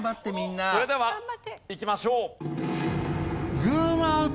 それではいきましょう。